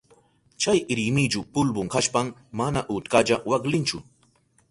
Chay rimillu pulbu kashpan mana utkalla waklinchu.